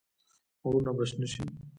غرونه به شنه شي.